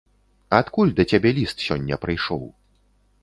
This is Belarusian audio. Адкуль да цябе ліст сёння прыйшоў?